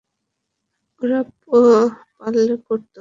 ওরা পারলে করতো, খোকা!